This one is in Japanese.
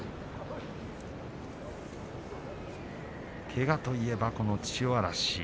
けがと言えば千代嵐。